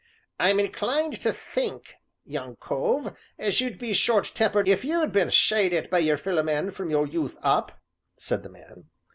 "I'm inclined to think, young cove, as you'd be short tempered if you been shied at by your feller man from your youth up," said the man.